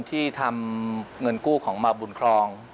ที่ทำเงินกู้ของมาบุญครอง